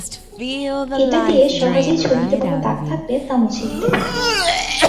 এটা দিয়ে সহজেই ছবিতে কোন দাগ থাকলে তা মুছে দিতে পারেন।